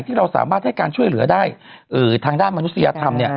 ที่เราสามารถให้การช่วยเหลือได้ทางด้านมนุษยธรรม